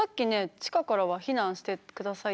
地下からは避難してくださいって言ってた。